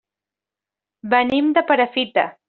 Venim de Perafita.